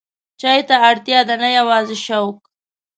چای ته اړتیا ده، نه یوازې شوق.